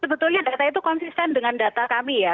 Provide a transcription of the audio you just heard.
sebetulnya data itu konsisten dengan data kami ya